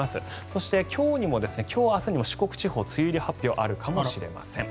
そして今日明日にも四国地方は梅雨入り発表あるかもしれません。